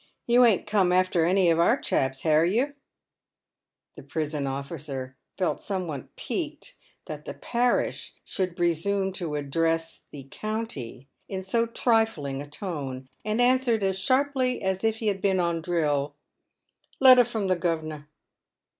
You a'n't come after any of our chaps, hare you ?" The prison officer felt somewhat piqued that the "parish" should D 34 PAVED WITH GOLD. presume to address the " county" in so trifling a tone, and answered as sharply as if he had been on drill —" Letter from the guv'nor."